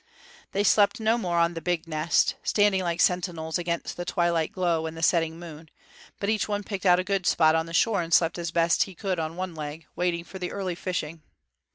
They slept no more on the big nest, standing like sentinels against the twilight glow and the setting moon; but each one picked out a good spot on the shore and slept as best he could on one leg, waiting for the early fishing.